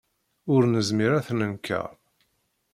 Ur nezmir ad t-nenkeṛ.